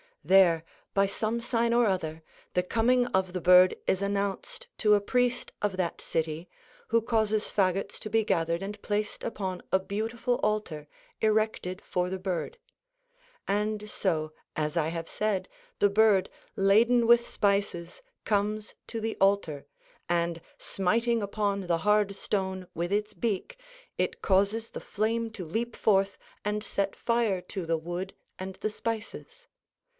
There, by some sign or other, the coming of the bird is announced to a priest of that city, who causes fagots to be gathered and placed upon a beautiful altar, erected for the bird. And so, as I have said, the bird, laden with spices, comes to the altar, and smiting upon the hard stone with its beak, it causes the flame to leap forth and set fire to the wood and the spices.